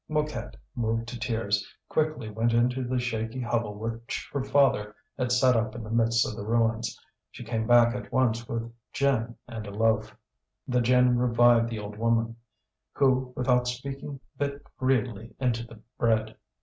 Mouquette, moved to tears, quickly went into the shaky hovel which her father had set up in the midst of the ruins. She came back at once with gin and a loaf. The gin revived the old woman, who without speaking bit greedily into the bread.